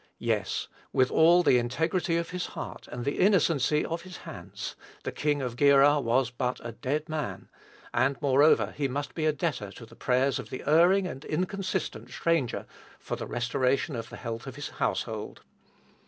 Yes, with all "the integrity of his heart, and the innocency of his hands," the king of Gerar was "but a dead man;" and, moreover, he must be a debtor to the prayers of the erring and inconsistent stranger for the restoration of the health of his household.